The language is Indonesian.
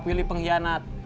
gak pilih pengkhianat